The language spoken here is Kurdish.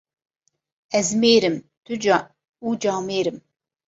Ez mêr im û camêr im.